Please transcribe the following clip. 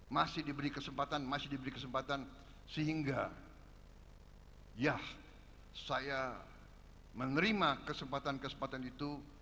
masih diberi kesempatan masih diberi kesempatan sehingga ya saya menerima kesempatan kesempatan itu